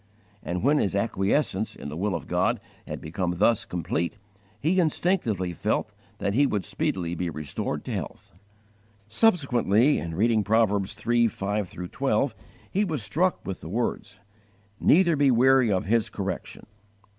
And when his acquiescence in the will of God had become thus complete he instinctively felt that he would speedily be restored to health. * Psalm lxiii. 4, 8, 11. Subsequently, in reading Proverbs iii. 5 12, he was struck with the words, "Neither be weary of His correction."